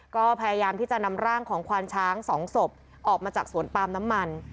ก็พยายามที่จะนำร่างของควานช้าง๒ศพออกมาจากสวนปาล์มน้ำมัน